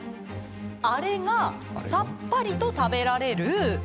あれがさっぱりと食べられる？